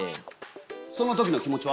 その時の気持ちは？